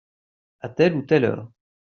À telle ou telle heure.